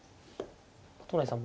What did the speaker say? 都成さん